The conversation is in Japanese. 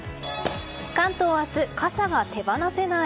関東は明日、傘が手放せない。